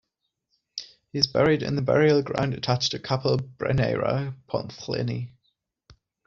He is buried in the burial ground attached to Capel Brynaerau, Pontllyfni.